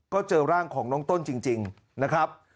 ก็เจอร่างของน้องต้นจริงนะครับ